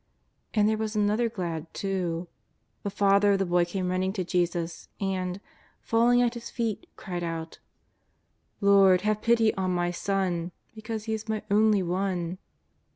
And there was another glad, too. The father of the boy came running to Jesus, and, falling at His feet, cried out: " Lord, have pity on my son, because he is my only one.